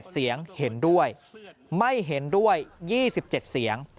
เสียงเห็นด้วยไม่เห็นด้วย๒๗เสียง